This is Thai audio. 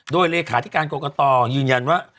โดยเลขาธิการกรกตยืนยันว่า